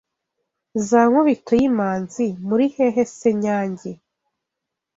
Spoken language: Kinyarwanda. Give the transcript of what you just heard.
Za Nkubitoyimanzi Muri hehe se nyange